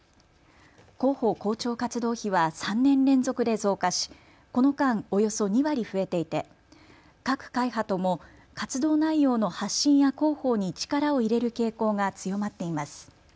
広報・広聴活動費は３年連続で増加し、この間、およそ２割増えていて各会派とも活動内容の発信や広報に力を入れる傾向が強まっています。